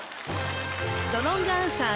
ストロングアンサー